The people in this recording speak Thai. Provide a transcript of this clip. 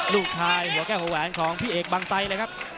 หัวแก้วหัวแหวนของพี่เอกบางไซเลยครับ